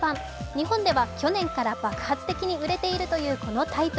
日本では去年から爆発的に売れているというこのタイプ。